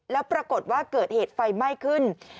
แล้วปรากฏว่าเกิดเหตุไฟไหม้ขึ้น